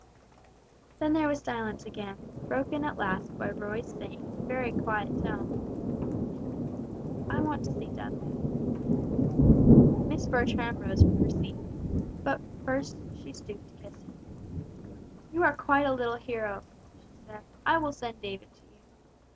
Then there was silence again, broken at last by Roy's saying in a very quiet tone, "I want to see Dudley." Miss Bertram rose from her seat, but first she stooped to kiss him. "You are quite a little hero," she said; "I will send David to you.